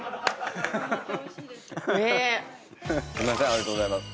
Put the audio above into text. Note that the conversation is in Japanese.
ありがとうございます。